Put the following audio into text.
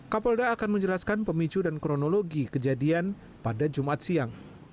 kapolda akan menjelaskan pemicu dan kronologi kejadian pada jumat siang